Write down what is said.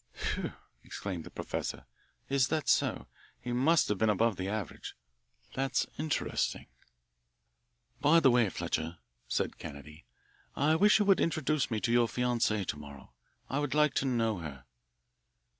"Whew!" exclaimed the professor, "is that so? He must have been above the average. That's interesting." "By the way, Fletcher," said Kennedy, "I wish you would introduce me to your fiancee to morrow. I would like to know her."